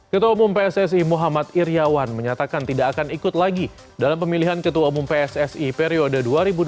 ketua umum pssi muhammad iryawan menyatakan tidak akan ikut lagi dalam pemilihan ketua umum pssi periode dua ribu dua puluh tiga dua ribu dua puluh tujuh